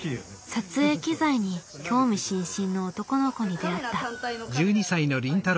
撮影機材に興味津々の男の子に出会った。